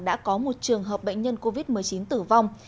đã có một trường hợp bệnh nhân covid một mươi chín tử vong